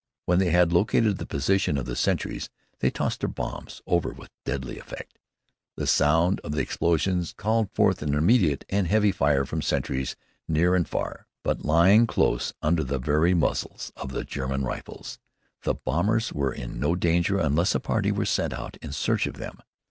When they had located the position of the sentries, they tossed their bombs over with deadly effect. The sound of the explosions called forth an immediate and heavy fire from sentries near and far; but lying close under the very muzzles of the German rifles, the bombers were in no danger unless a party were sent out in search of them.